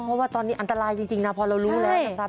เพราะว่าตอนนี้อันตรายจริงนะพอเรารู้แล้วนะครับ